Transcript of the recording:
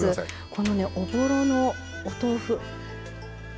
このね、おぼろのお豆腐。